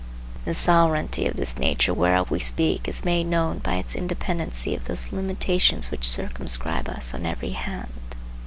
The sovereignty of this nature whereof we speak is made known by its independency of those limitations which circumscribe us on every hand.